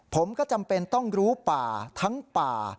ผมก็จำเป็นต้องรู้ป่าทั้งป่า